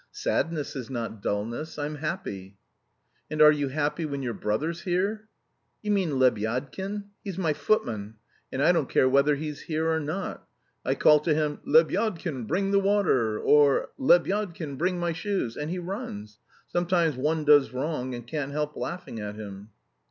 Sadness is not dullness. I'm happy." "And are you happy when your brother's here?" "You mean Lebyadkin? He's my footman. And I don't care whether he's here or not. I call to him: 'Lebyadkin, bring the water!' or 'Lebyadkin, bring my shoes!' and he runs. Sometimes one does wrong and can't help laughing at him."